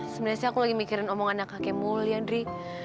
sebenarnya sih aku lagi mikirin omongan anak kakekmu li andri